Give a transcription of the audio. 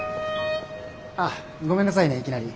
あっごめんなさいねいきなり。